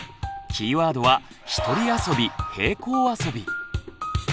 キーワードは「ひとり遊び平行遊び」。